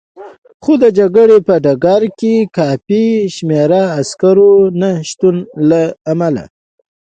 خو د جګړې په ډګر کې د کافي شمېر عسکرو نه شتون له امله.